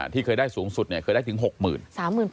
ที่เคยได้สูงสุดเคยได้ถึง๖๐๐๐บาท